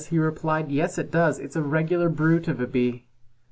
he replied, "Yes, it does! It's a regular brute of a Bee."